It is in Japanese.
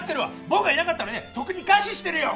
僕がいなかったらねとっくに餓死してるよ！